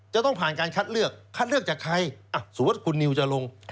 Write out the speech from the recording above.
จะต้องผ่านการคัดเลือกคัดเลือกจากใครสมมุติคุณนิวจะลง